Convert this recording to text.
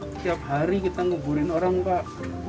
setiap hari kita nguburin orang pak